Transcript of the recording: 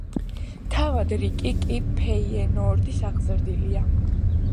თავად რიკი კი ფეიენოორდის აღზრდილია.